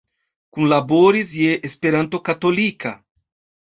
Kunlaboris je Espero Katolika.